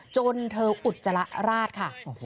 จนเธออุดจรรราษค่ะ